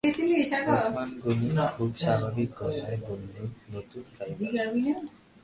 ওসমান গনি খুব স্বাভাবিক গলায় বললেন, নতুন ড্রাইভার।